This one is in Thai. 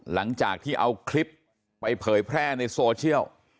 หลังจากที่เอาคลิปไปเผยแพร่ในโซเชียล